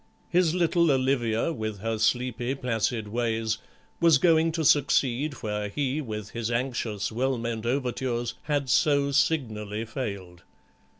His little Olivia, with her sleepy placid ways, was going to succeed where he, with his anxious well meant overtures, had so signally failed.